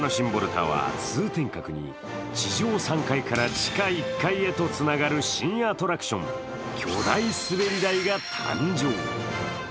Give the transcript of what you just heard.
タワー通天閣に地上３階から地下１階へとつながる新アトラクション、巨大滑り台が誕生。